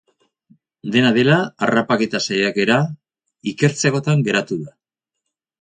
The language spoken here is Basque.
Dena dela, harrapaketa saiakera ikertzekotan geratu da.